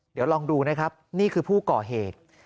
เดี๋ยวลองดูนะครับนี่คือผู้ก่อเหตุ